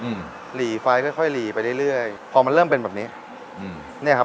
หลีไฟค่อยค่อยหลีไปเรื่อยเรื่อยพอมันเริ่มเป็นแบบนี้อืมเนี้ยครับ